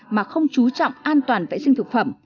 mà không chú trọng an toàn vệ sinh thực phẩm